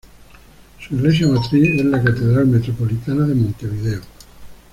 Su iglesia matriz es la Catedral Metropolitana de Montevideo.